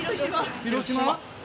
広島？